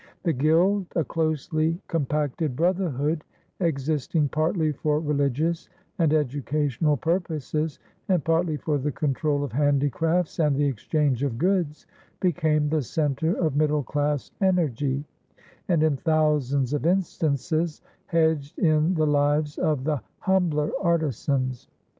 The gild, a closely compacted brotherhood, existing partly for religious and educational purposes and partly for the control of handicrafts and the exchange of goods, became the center of middle class energy, and in thousands of instances hedged in the lives of the humbler artisans.